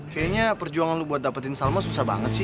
kayaknya perjuangan lu buat dapetin salma susah banget sih